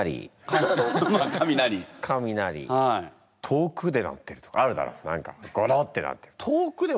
遠くで鳴ってるとかあるだろう何かゴロッて鳴って。